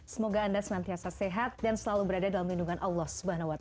semoga anda senantiasa sehat dan selalu berada dalam lindungan allah swt